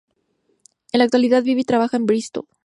En la actualidad vive y trabaja en Bristol.